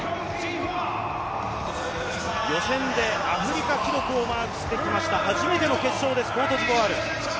予選でアフリカ記録をマークしてきました、初めての決勝です、コートジボワール。